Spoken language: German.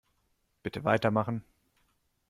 Bitte weitermachen.